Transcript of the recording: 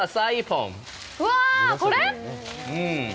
うわこれ？